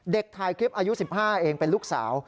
ถ่ายคลิปอายุ๑๕เองเป็นลูกสาว